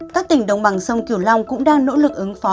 các tỉnh đồng bằng sông kiều long cũng đang nỗ lực ứng phó